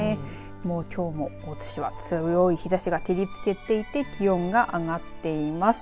もうきょうも大津市は強い日ざしが照りつけていて気温が上がっています。